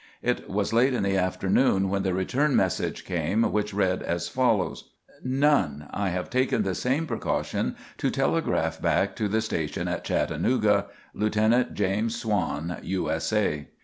It was late in the afternoon when the return message came, which read as follows: "None. I have taken the same precaution to telegraph back to the station at Chattanooga. "LIEUTENANT JAMES SWANN, U.S.A."